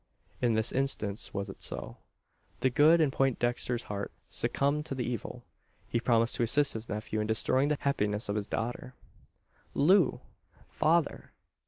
In this instance was it so. The good in Poindexter's heart succumbed to the evil. He promised to assist his nephew, in destroying the happiness of his daughter. "Loo!" "Father!"